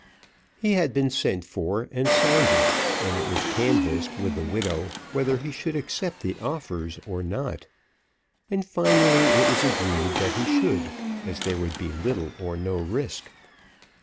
He had been sent for and sounded, and it was canvassed with the widow whether he should accept the offers or not, and finally it was agreed that he should, as there would be little or no risk.